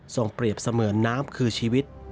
เปรียบเสมือนน้ำคือชีวิต